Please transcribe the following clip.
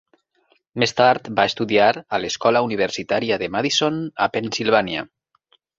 Més tard va estudiar a l'Escola Universitària de Madison, a Pennsilvània.